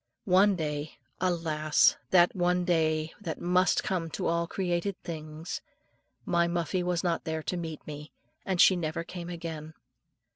One day alas! that one day that must come to all created things my Muffie was not there to meet me, and she never came again.